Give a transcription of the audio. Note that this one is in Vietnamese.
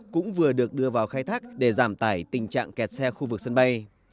cũng vừa được đưa vào khai thác để giảm tải tình trạng kẹt xe khu vực sân bay